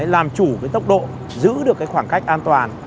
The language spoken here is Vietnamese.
làm chủ cái tốc độ giữ được khoảng cách an toàn